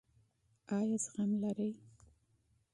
ایا حوصله لرئ؟